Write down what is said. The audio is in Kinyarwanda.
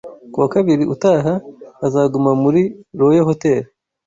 Ku wa kabiri utaha, azaguma muri Royal Hotel.